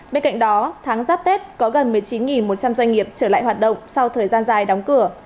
bên cạnh đó tháng giáp tết có gần một mươi chín một trăm linh doanh nghiệp trở lại hoạt động sau thời gian dài đóng cửa